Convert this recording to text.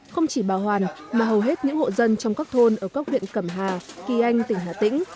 không chỉ bà hoàn mà hầu hết những hộ dân trong các thôn ở các huyện cẩm hà kỳ anh tỉnh hà tĩnh